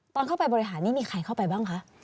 ตอนเข้าไปบริหารนี่มีใครเข้าไปบ้างคะ